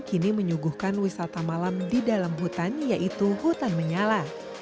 kini menyuguhkan wisata malam di dalam hutan yaitu hutan menyala